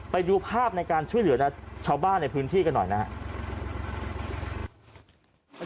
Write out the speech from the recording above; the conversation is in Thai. ไปดูภาพในการช่วยเหลือชาวบ้านในพื้นที่กันหน่อยนะครับ